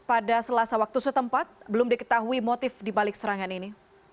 pada selasa waktu setempat belum diketahui motif dibalik serangan ini